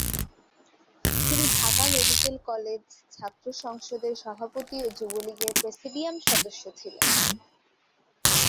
তিনি Dhaka medical college ছাত্র সংসদের সভাপতি ও যুবলীগের প্রেসিডিয়াম সদস্য ছিলেন।